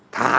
thả cái lọ